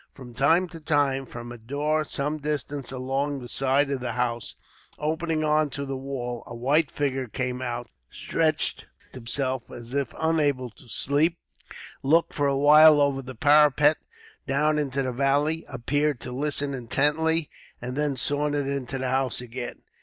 From time to time, from a door some distance along the side of the house, opening on to the wall, a white figure came out, stretched himself as if unable to sleep, looked for a while over the parapet down into the valley, appeared to listen intently, and then sauntered into the house again.